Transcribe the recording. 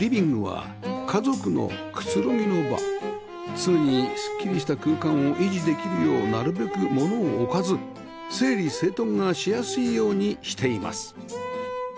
常にすっきりした空間を維持できるようなるべく物を置かず整理整頓がしやすいようにしています